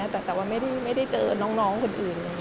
แต่ว่าไม่ได้เจอน้องคนอื่นเลย